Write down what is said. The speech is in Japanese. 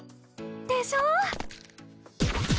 でしょ！